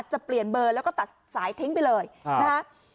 จะเปลี่ยนเบอร์แล้วก็ตัดสายทิ้งไปเลยนะฮะ